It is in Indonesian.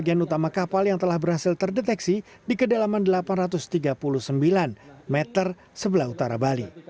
bagian utama kapal yang telah berhasil terdeteksi di kedalaman delapan ratus tiga puluh sembilan meter sebelah utara bali